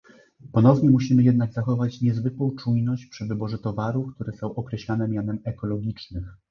Ponownie musimy jednak zachować niezwykłą czujność przy wyborze towarów, które są określane mianem "ekologicznych"